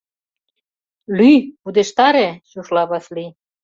— Лӱй, пудештаре! — чушла Васлий.